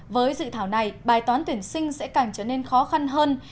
với dự thảo này bài toán tuyển sinh sẽ càng trở nên khó khăn hơn